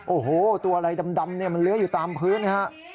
โอ้โฮตัวอะไรดำมันเลื้อยอยู่ตามพื้นนะฮะ